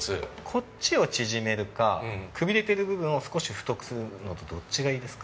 こっちを縮めるかくびれてる部分を少し太くするのとどっちがいいですか？